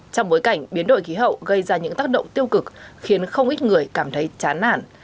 trong bối cảnh biến đổi khí hậu gây ra những tác động tiêu cực khiến không ít người cảm thấy chán nản